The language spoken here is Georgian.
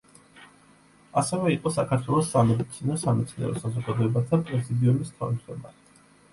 ასევე იყო საქართველოს სამედიცინო–სამეცნიერო საზოგადოებათა პრეზიდიუმის თავმჯდომარე.